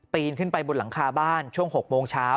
ขึ้นไปบนหลังคาบ้านช่วง๖โมงเช้า